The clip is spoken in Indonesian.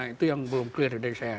itu yang belum clear dari saya